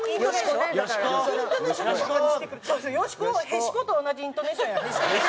「“へしこ”と同じイントネーションや」。